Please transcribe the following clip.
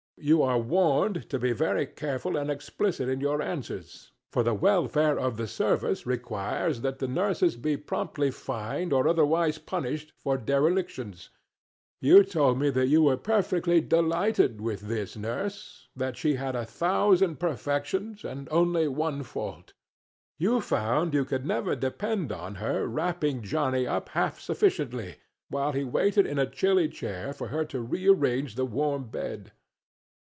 You are warned to be very careful and explicit in your answers, for the welfare of the service requires that the nurses be promptly fined or otherwise punished for derelictions. You told me you were perfectly delighted with this nurse that she had a thousand perfections and only one fault: you found you never could depend on her wrapping Johnny up half sufficiently while he waited in a chilly chair for her to rearrange the warm bed.